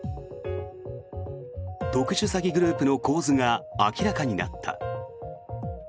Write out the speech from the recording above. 特殊詐欺グループの構図が明らかになった。